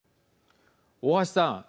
大橋さん。